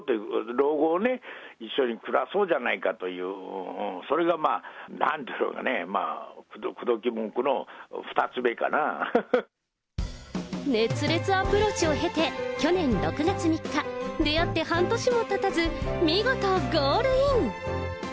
老後をね、一緒に暮らそうじゃないかという、それがまあ、なんでしょうかね、くどき文句の２つ目熱烈アプローチを経て、去年６月３日、出会って半年もたたず、見事、ゴールイン。